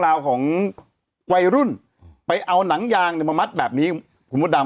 ต้องขีดสายเหตุต่างนานา